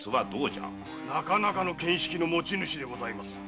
なかなかの見識の持ち主でございます。